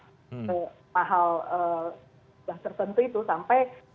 itu pahal bahkan tertentu itu sampai